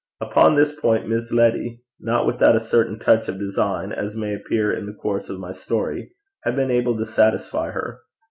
Upon this point Miss Letty, not without a certain touch of design, as may appear in the course of my story, had been able to satisfy her.